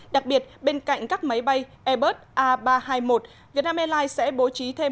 đặc biệt bên cạnh các máy bay airbus a ba trăm hai mươi một việt nam airlines sẽ bố trí thêm